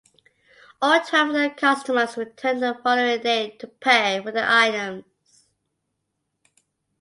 All twelve of the customers returned the following day to pay for their items.